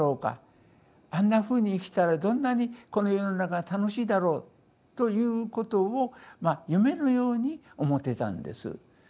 あんなふうに生きたらどんなにこの世の中が楽しいだろうということをまあ夢のように思ってたんです。